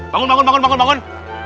bangun aja bangun bangun bangun